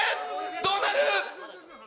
どうなる⁉あ！